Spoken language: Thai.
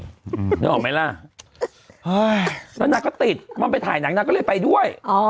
นึกออกไหมล่ะแล้วนางก็ติดมันไปถ่ายหนังนางก็เลยไปด้วยอ๋อ